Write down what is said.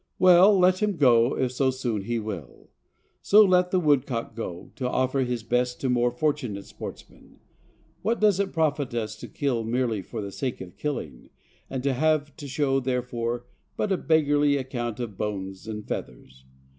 Well, let him go, if so soon he will. So let the woodcock go, to offer his best to more fortunate sportsmen. What does it profit us to kill merely for the sake of killing, and have to show therefor but a beggarly account of bones and feathers?